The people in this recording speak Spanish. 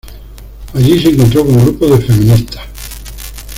Allí, se encontró con grupos de feministas.